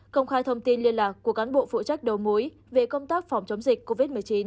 công khai thông tin liên lạc của cán bộ phụ trách đầu mối về công tác phòng chống dịch covid một mươi chín